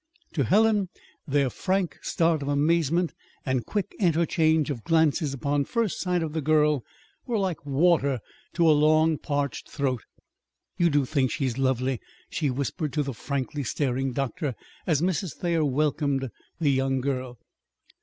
To Helen, their frank start of amazement and quick interchange of glances upon first sight of the girl were like water to a long parched throat. "You do think she's lovely?" she whispered to the frankly staring doctor, as Mrs. Thayer welcomed the young girl.